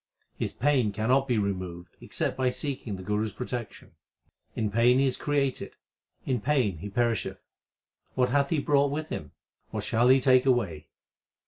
His pain cannot be removed except by seeking the Guru s protection. In pain he is created, in pain he perisheth. What hath he brought with him ? what shall he take away